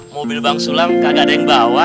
mobil bang sulam kagak ada yang bawa